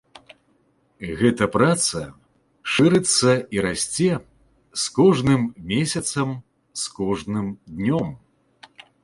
Гэта праца шырыцца і расце з кожным месяцам, з кожным днём.